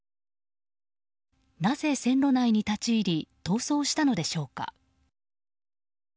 なぜ線路内に立ち入り逃走したのでしょうか？